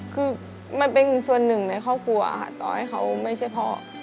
คือมันเป็นส่วนหนึ่งในครอบครัวค่ะต่อให้เขาไม่ใช่พ่อ